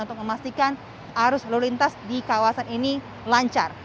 untuk memastikan arus lalu lintas di kawasan ini lancar